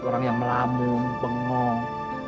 lihat orang yang melamun bengong